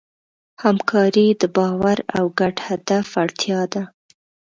همکاري د باور او ګډ هدف اړتیا ده.